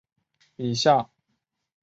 以下剧集按照首播顺序排列。